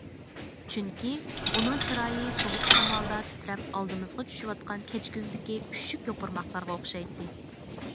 چۈنكى، ئۇنىڭ چىرايى سوغۇق شامالدا تىترەپ ئالدىمىزغا چۈشۈۋاتقان كەچكۈزدىكى ئۈششۈك يوپۇرماقلارغا ئوخشايتتى.